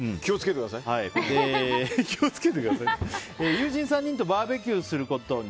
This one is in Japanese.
友人３人とバーベキューをすることに。